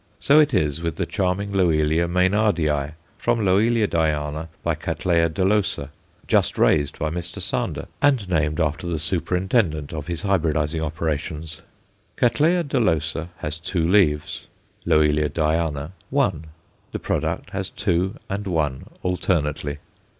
So it is with the charming Loelia Maynardii from L. Dayana × Cattleya dolosa, just raised by Mr. Sander and named after the Superintendent of his hybridizing operations. Catt. dolosa has two leaves, L. Dayana one; the product has two and one alternately.